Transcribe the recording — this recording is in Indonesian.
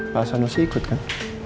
pak sanusi ikut kan